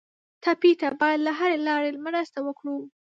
ټپي ته باید له هرې لارې مرسته وکړو.